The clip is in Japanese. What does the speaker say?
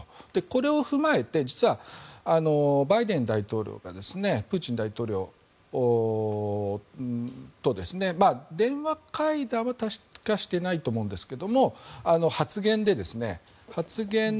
これを踏まえて実は、バイデン大統領がプーチン大統領と電話会談はしてないと思うんですが。